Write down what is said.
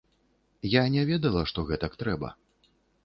Я не ведала, што гэтак трэба.